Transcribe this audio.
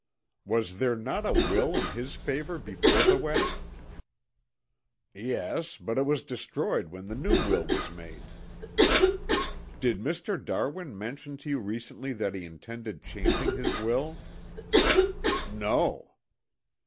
"Was there not a will in his favor before the wedding?" "Yes, but it was destroyed when the new will was made." "Did Mr. Darwin mention to you recently that he intended changing his will?" "No."